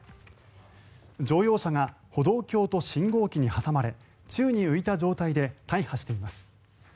乗用車が歩道橋と信号機に挟まれ宙に浮いた状態で大破しています。